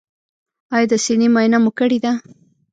ایا د سینې معاینه مو کړې ده؟